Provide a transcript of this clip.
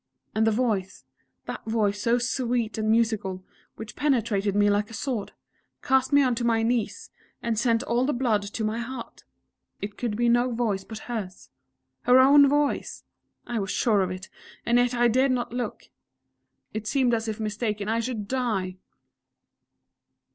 And the voice that voice so sweet and musical, which penetrated me like a sword, cast me onto my knees, and sent all the blood to my heart!... It could be no voice but hers her own voice! I was sure of it, and yet I dared not look it seemed as if mistaken I should die!